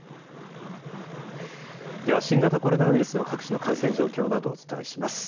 では、新型コロナウイルスの各地の感染状況などをお伝えします。